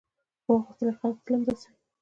هو، غښتلي خلک تل همداسې وي.